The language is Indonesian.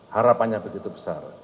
harapannya begitu besar